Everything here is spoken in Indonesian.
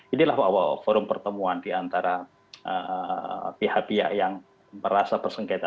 inilah bahwa forum pertemuan di antara pihak pihak yang merasa bersengketa